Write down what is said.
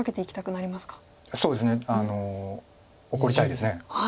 そうですね怒りたいです。